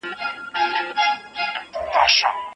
ثيبه هغه ميرمن ده، چي تر واده وروسته طلاقه سوې يا کونډه سوې وي